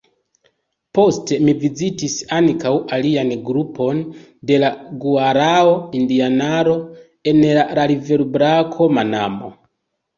Poste mi vizitis ankaŭ alian grupon de la guarao-indianaro en la riverbrako Manamo.